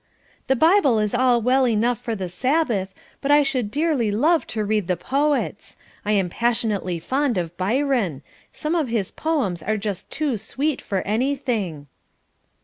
"The Bible is all well enough for the Sabbath, but I should dearly love to read the poets. I am passionately fond of Byron; some of his poems are just too sweet for anything."